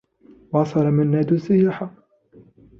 واصل منّاد الصّياح.